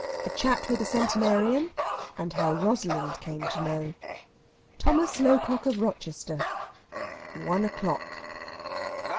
A CHAT WITH A CENTENARIAN, AND HOW ROSALIND CAME TO KNOW. THOMAS LOCOCK OF ROCHESTER. ONE O'CLOCK!